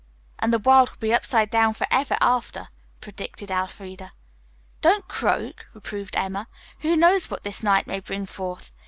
"And the world will be upside down forever after," predicted Elfreda. "Don't croak," reproved Emma. "Who knows what this night may bring forth?